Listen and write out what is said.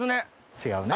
違うね。